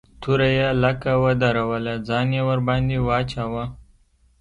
توره يې لکه ودروله ځان يې ورباندې واچاوه.